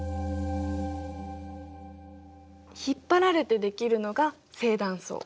引っ張られてできるのが正断層。